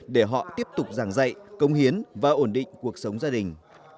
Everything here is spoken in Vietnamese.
để họ tiếp tục giảng dạy công hiến và ổn định cuộc sống gia đình